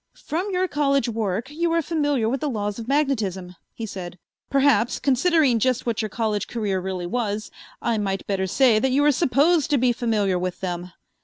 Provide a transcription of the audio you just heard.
"From your college work you are familiar with the laws of magnetism," he said. "Perhaps, considering just what your college career really was, I might better say that you are supposed to be familiar with them."